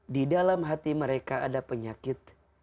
di dalam hati mereka ada penyakit